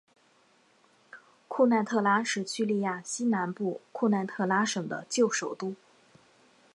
库奈特拉是叙利亚西南部库奈特拉省的旧首都。